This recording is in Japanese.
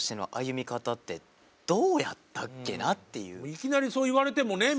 いきなりそう言われてもねえみたいな。